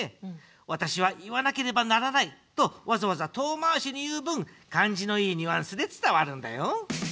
私は、言わなければならないとわざわざ遠回しに言う分、感じのいいニュアンスで伝わるんだよ。